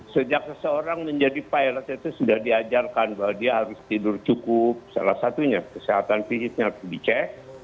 sejak seseorang menjadi pilot itu sudah diajarkan bahwa dia harus tidur cukup salah satunya kesehatan fisiknya harus dicek